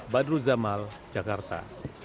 badru zamal jakarta